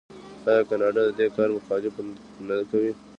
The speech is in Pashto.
آیا کاناډا د دې کار مخالفت نه کوي؟